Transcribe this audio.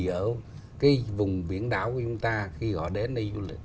ở cái vùng biển đảo của chúng ta khi họ đến đây du lịch